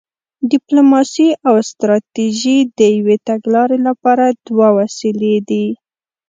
ډیپلوماسي او ستراتیژي د یوې تګلارې لپاره دوه وسیلې دي